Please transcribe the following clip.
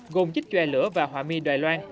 gồm chích choe lửa và họa mi đài loan